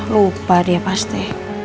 lupa dia pasti